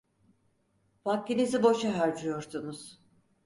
Vaktinizi boşa harcıyorsunuz.